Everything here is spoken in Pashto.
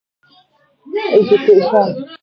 ايجوکيشن